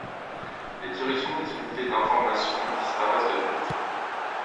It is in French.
Les directions des unités d'information disparaissent de fait.